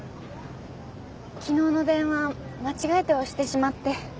昨日の電話間違えて押してしまって。